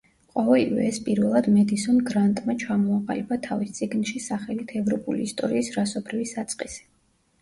ყოველივე ეს პირველად მედისონ გრანტმა ჩამოაყალიბა თავის წიგნში სახელით „ევროპული ისტორიის რასობრივი საწყისი“.